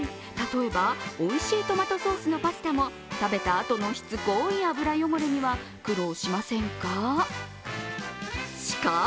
例えば、おいしいトマトソースのパスタも食べたあとのしつこい油汚れには苦労しませんか？